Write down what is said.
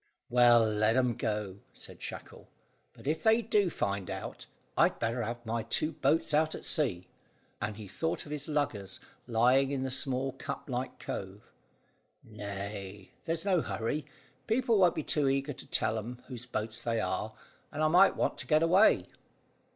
"Well, let 'em go," said Shackle; "but if they do find out, I'd better have my two boats out at sea," and he thought of his luggers lying in the little cup like cove. "Nay there's no hurry; people won't be too eager to tell 'em whose boats they are, and I might want to get away."